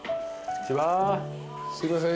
すいません。